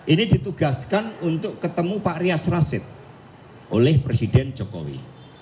ini ditugaskan untuk ketemu pak rias rasid oleh presiden jokowi